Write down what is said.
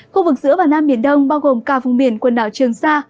khu vực giữa và nam biển đông bao gồm cả vùng biển quần đảo trường sa